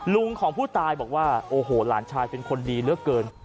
ลุงของผู้ตายบอกว่าโอ้โหหลานชายเป็นคนดีเหลือเกิน